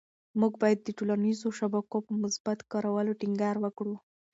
موږ باید د ټولنيزو شبکو په مثبت کارولو ټینګار وکړو.